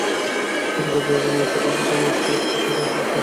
শিরোপা জয়ের রাঙা সকালটা যেন এখন একটু একটু করে কাছে আসছে।